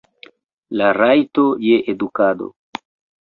La rajto je edukado.